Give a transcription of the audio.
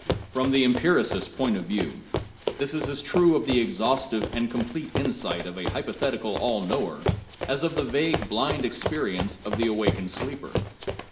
From the empiricist's point of view, this is as true of the exhaustive and complete insight of a hypothetical all knower as of the vague, blind experience of the awakened sleeper.